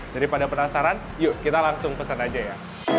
pada penasaran yuk kita langsung pesan aja ya